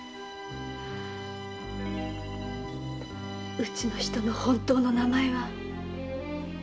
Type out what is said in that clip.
うちの人の本当の名前は。